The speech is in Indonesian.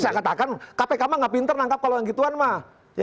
saya katakan kpk mah nggak pinter nangkap kalau yang gituan mah